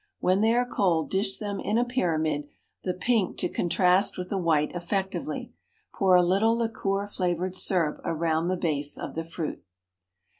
When they are cold, dish them in a pyramid, the pink to contrast with the white effectively. Pour a little liqueur flavored syrup round the base of the fruit.